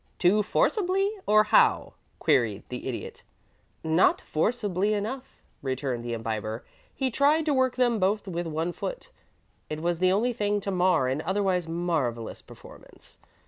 "Too forcibly, or how?" queried the Idiot. "Not forcibly enough," returned the Imbiber. "He tried to work them both with one foot. It was the only thing to mar an otherwise marvellous performance.